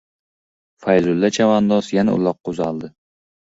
Fayzulla chavandoz yana uloqqa uzaldi.